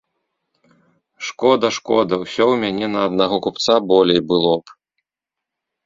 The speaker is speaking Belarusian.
Шкода, шкода, усё ў мяне на аднаго купца болей было б!